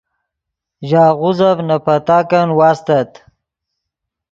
ژے آغوزف نے پتاک واستت